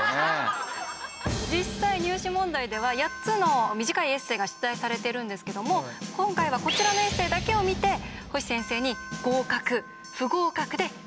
実際入試問題では８つの短いエッセーが出題されているんですけども今回はこちらのエッセーだけを見て星先生に合格不合格で決めてもらいました。